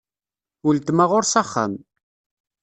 Uletma ɣur-s axxam.